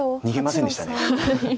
逃げませんでした。